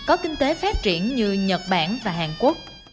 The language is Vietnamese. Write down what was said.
có kinh tế phát triển như nhật bản và hàn quốc